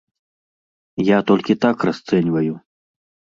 Я толькі так расцэньваю.